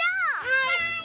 はい。